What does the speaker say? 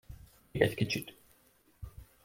Még egy kicsit.